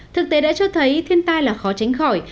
thực tế đã cho thấy thiên tai là khó tránh khỏi